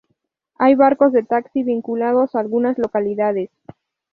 Hay barcos de taxi vinculados a algunas localidades.